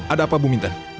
ada apa bu minta